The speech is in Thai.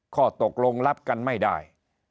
ข้อตกลงรับกันไม่ได้